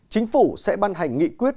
chính phủ sẽ ban hành nghị quyết